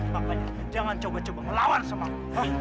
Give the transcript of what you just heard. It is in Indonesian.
makanya jangan coba coba melawan sama aku hah